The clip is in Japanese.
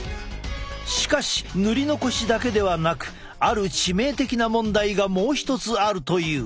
しかし塗り残しだけではなくある致命的な問題がもう一つあるという。